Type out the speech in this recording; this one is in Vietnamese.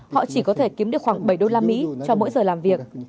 họ chỉ có thể kiếm được khoảng bảy đô la mỹ cho mỗi giờ làm việc